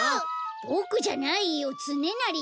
ボクじゃないよつねなりだよ。